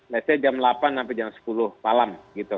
let s say jam delapan sampai jam sepuluh malam